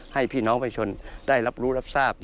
ให้พี่น้องประชาชนได้รับรู้รับทราบ